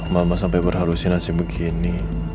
mama sampai berhalusinasi begini